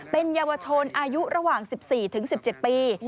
เป็นเยาวชนอายุระหว่าง๑๔๑๗ปี